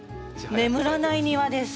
眠らないニワです。